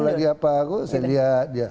kalau lagi apa aku saya lihat